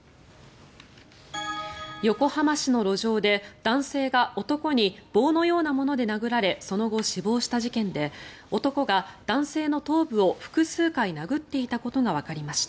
横浜市の路上で男性が男に棒のようなもので殴られその後、死亡した事件で男が男性の頭部を複数回殴っていたことがわかりました。